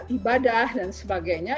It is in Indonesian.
ibadah dan sebagainya